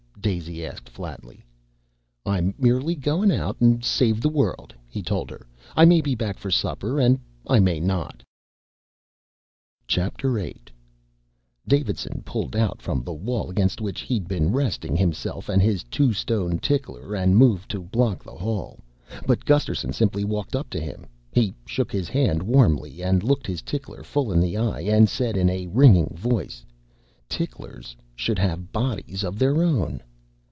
Daisy asked flatly. "I'm merely goin' out an' save the world," he told her. "I may be back for supper and I may not." VIII Davidson pushed out from the wall against which he'd been resting himself and his two stone tickler and moved to block the hall. But Gusterson simply walked up to him. He shook his hand warmly and looked his tickler full in the eye and said in a ringing voice, "Ticklers should have bodies of their own!"